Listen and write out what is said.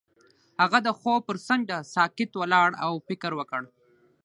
هغه د خوب پر څنډه ساکت ولاړ او فکر وکړ.